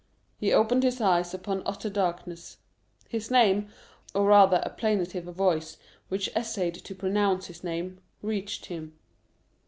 He opened his eyes upon utter darkness. His name, or rather a plaintive voice which essayed to pronounce his name, reached him.